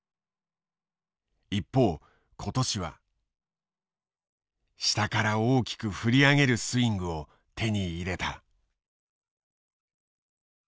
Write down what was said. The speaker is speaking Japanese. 一方今年は下から大きく振り上げるスイングを手に入れた。